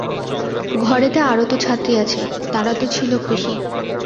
ঘরেতে আরও তো ছাত্রী আছে, তারা তো ছিল খুশি।